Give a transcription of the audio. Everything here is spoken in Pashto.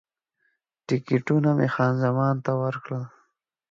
ټکټونه مې خان زمان ته ورکړل.